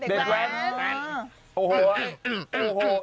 โอ้โฮอ่ะ